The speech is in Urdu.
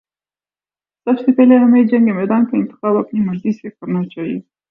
سب سے پہلے ہمیں میدان جنگ کا انتخاب اپنی مرضی سے کرنا چاہیے۔